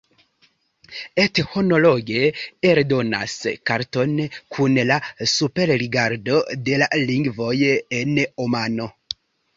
Ethnologue eldonas karton kun la superrigardo de la lingvoj en Omano.